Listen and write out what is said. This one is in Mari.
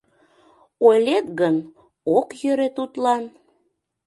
Ойлет гын, ок йӧрӧ тудлан.